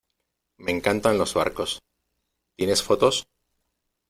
me encantan los barcos. ¿ tienes fotos?